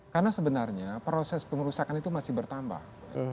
karena sebenarnya proses pengerusakan itu masih bertambah